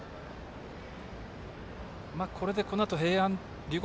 これでこのあと龍谷